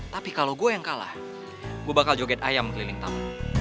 tapi kalau gue yang kalah gue bakal joget ayam keliling taman